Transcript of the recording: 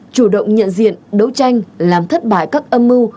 chủ động nhận diện đấu tranh làm thất bại các âm mưu